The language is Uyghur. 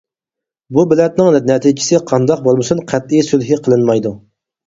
بۇ بېلەتنىڭ نەتىجىسى قانداق بولمىسۇن قەتئىي سۈلھى قىلىنمايدۇ.